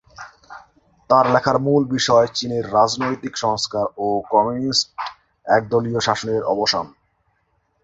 তার লেখার মূল বিষয় চীনের রাজনৈতিক সংস্কার ও কমিউনিস্ট একদলীয় শাসনের অবসান।